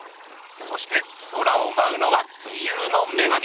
そして空をまうのは自由の女神。